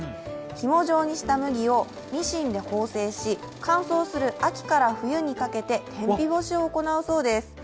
ひも状にした麦をミシンで縫製し乾燥する秋から冬にかけて天日干しをするそうです。